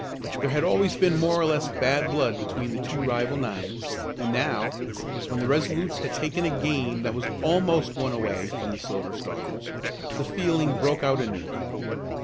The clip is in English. There had always been more or less bad blood between the two rival nines and now, when the Resolutes had taken a game that was almost won away from the Silver Stars, the feeling broke out anew.